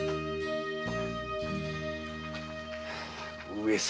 上様！